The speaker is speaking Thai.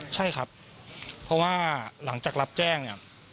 ใช่ครับเพราะว่าหลังจากรับแจ้งเนี่ย